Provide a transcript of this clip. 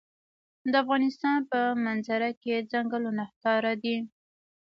د افغانستان په منظره کې ځنګلونه ښکاره ده.